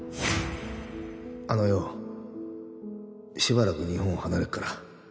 あのよしばらく日本を離れるから。